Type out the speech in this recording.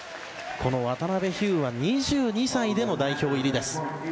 渡邉飛勇は２２歳での代表入りです。